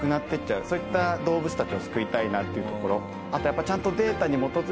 そういった動物たちを救いたいなというところ。